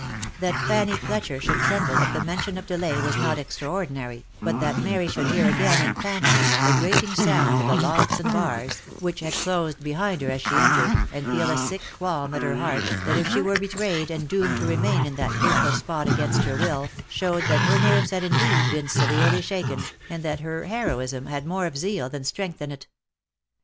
That Fanny Fletcher should tremble at the mention of delay was not extraordinary, but that Mary should hear again, in fancy, the grating sound of the locks and bars, which had closed behind her as she entered, and feel a sick qualm at her heart, as if she were be trayed, and doomed to remain in that hateful spot against her will, showed that her nerves had indeed been severely shaken, and that her heroism had more of zeal than strength in it.